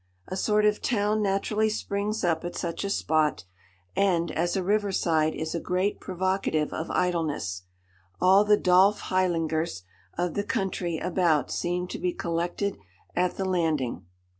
A sort of town naturally springs up at such a spot, and, as a river side is a great provocative of idleness, all the Dolph Heyligers of the country about seem to be collected at the landing.